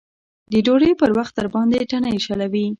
د ډوډۍ په وخت درباندې تڼۍ شلوي.